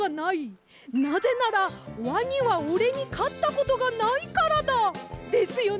なぜならワニはおれにかったことがないからだ」ですよね！